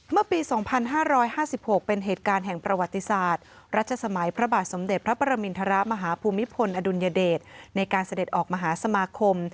เมื่อปี๒๕๕๖เป็นเหตุการณ์แห่งประวัติศาสตร์รัชสมัยพระบาทสมเด็จพระปรมินทรมาฮภูมิพลอดุลยเดชในการเสด็จออกมหาสมาคม